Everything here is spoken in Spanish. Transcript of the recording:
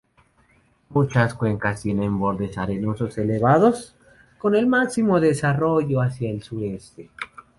Muchas cuencas tienen bordes arenosos elevados con el máximo desarrollo hacia el sureste.